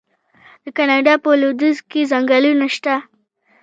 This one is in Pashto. د کاناډا په لویدیځ کې ځنګلونه شته.